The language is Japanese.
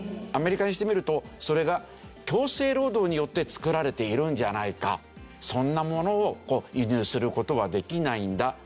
アメリカにしてみるとそれが強制労働によって作られているんじゃないかそんなものを輸入する事はできないんだ。